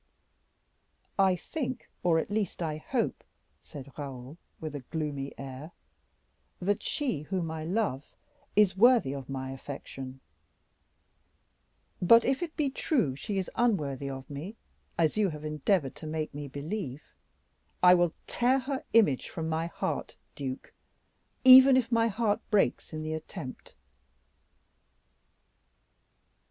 "I think, or at least hope," said Raoul, with a gloomy air, "that she whom I love is worthy of my affection; but if it be true she is unworthy of me, as you have endeavored to make me believe, I will tear her image from my heart, duke, even if my heart breaks in the attempt."